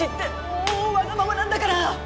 もうわがままなんだから！